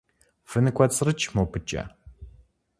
ФыныкӀуэцӀрыкӀ мобыкӀэ.